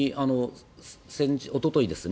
おととい